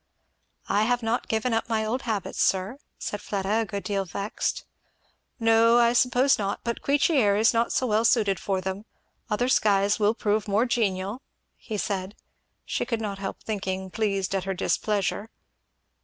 "I have not given up my old habits, sir," said Fleda, a good deal vexed. "No I suppose not but Queechy air is not so well suited for them other skies will prove more genial," he said; she could not help thinking, pleased at her displeasure.